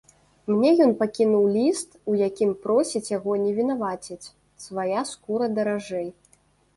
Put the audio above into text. Мне ён пакінуў ліст, у якім просіць яго не вінаваціць, свая скура даражэй.